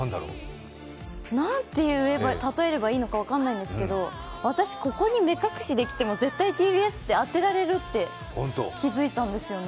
何て例えればいいのか分からないんですけど、私、ここに目隠しで来ても絶対ＴＢＳ！って当てられるって気付いたんですよね。